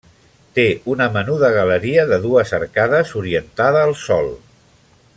Té una menuda galeria de dues arcades, orientada al sol.